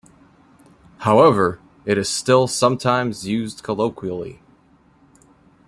However, it is still sometimes used colloquially.